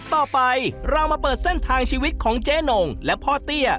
ต่อไปเรามาเปิดเส้นทางชีวิตของเจ๊นงและพ่อเตี้ย